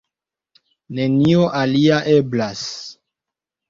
Nenio alia eblas.